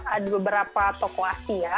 ada beberapa toko asia